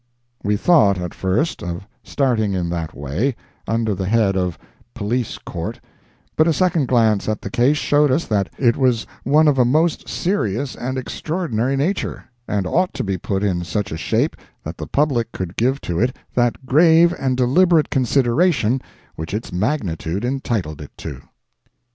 We thought, at first, of starting in that way, under the head of "Police Court," but a second glance at the case showed us that it was one of a most serious and extraordinary nature, and ought to be put in such a shape that the public could give to it that grave and deliberate consideration which its magnitude entitled it to.